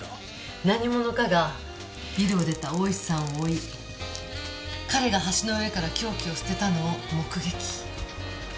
何者かがビルを出た大石さんを追い彼が橋の上から凶器を捨てたのを目撃。